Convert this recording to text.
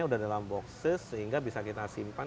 sudah dalam boxis sehingga bisa kita simpan